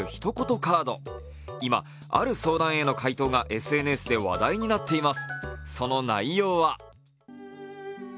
カード今、ある相談への回答がＳＮＳで話題になっています。